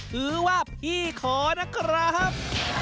พี่ว่าพี่ขอนะครับ